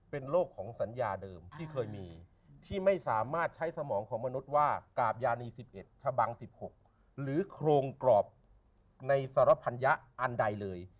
เป็นโรคของสัญญาเดิมที่เคยมีที่ไม่สามารถใช้สมองของมนุษย์ว่ากาบยานี๑๑ชะบัง๑๖หรือโครงกรอบในสารพัญญะอันใดเลย